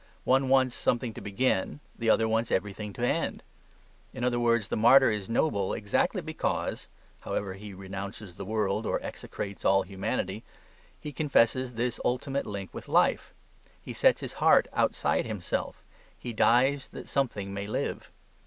One wants something to begin: the other wants everything to end. In other words, the martyr is noble, exactly because (however he renounces the world or execrates all humanity) he confesses this ultimate link with life; he sets his heart outside himself: he dies that something may live.